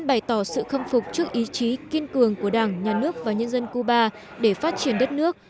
bày tỏ sự khâm phục trước ý chí kiên cường của đảng nhà nước và nhân dân cuba để phát triển đất nước